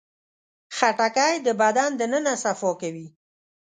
خټکی د بدن دننه صفا کوي.